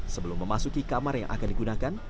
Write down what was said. sebelum memasuki kamar yang akan digunakan